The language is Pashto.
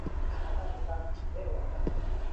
نیوکي د علم د ودې لامل ګرځي.